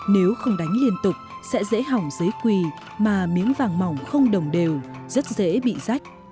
nếu không đánh liên tục sẽ dễ hỏng giấy quỳ mà miếng vàng mỏng không đồng đều rất dễ bị rách